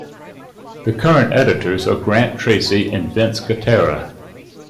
The current editors are Grant Tracey and Vince Gotera.